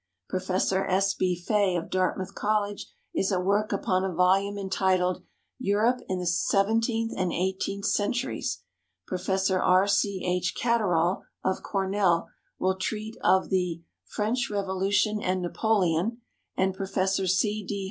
Professor S. B. Fay, of Dartmouth College, is at work upon a volume entitled, "Europe in the XVII and XVIII Centuries;" Professor R. C. H. Catterall, of Cornell, will treat of the "French Revolution and Napoleon;" and Professor C. D.